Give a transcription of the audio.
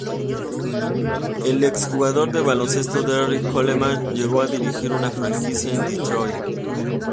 El exjugador de baloncesto Derrick Coleman llegó a dirigir una franquicia en Detroit.